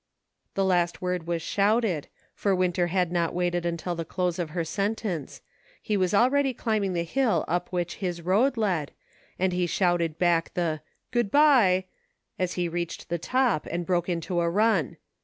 " The last word was shouted ; for Winter had not waited until the close of her sentence ; he was al ready climbing the hill up which his road led, and he shouted back the " good by " as he reached the top, and broke into a run.